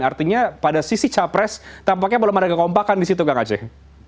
artinya pada sisi capres tampaknya belum ada kekompakan di situ kang aceh